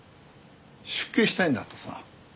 出家したいんだとさ。